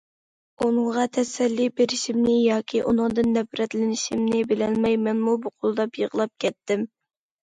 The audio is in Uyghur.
ئۇنىڭغا تەسەللى بېرىشىمنى ياكى ئۇنىڭدىن نەپرەتلىنىشىمنى بىلەلمەي، مەنمۇ بۇقۇلداپ يىغلاپ كەتتىم.